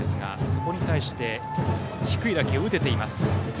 そこに対して低い打球を打てています。